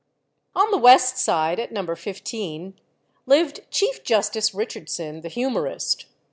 On the west side, at No. 15, lived Chief "Justice" Richardson, the humourist.